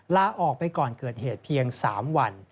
ลาออกไปก่อนเกิดเหตุเพียง๓วัน